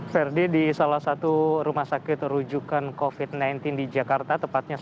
verdi di salah satu rumah sakit rujukan covid sembilan belas di jakarta tepatnya